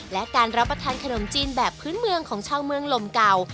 และการรับประทานขนมจีนแบบพื้นเมืองของชาวเมืองลมเก่า